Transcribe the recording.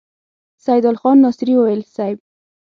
سيدال خان ناصري وويل: صېب!